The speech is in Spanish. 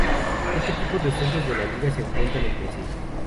Los ocho equipos restantes de la Liga se enfrentarán entre sí.